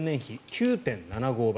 ９．７５倍